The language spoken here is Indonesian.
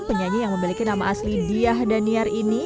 penyanyi yang memiliki nama asli diah daniar ini